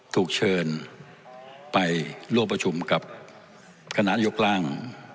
ถูกเชิญไปร่วมประชุมกับคณะยกร่าง